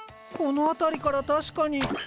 この辺りから確かに。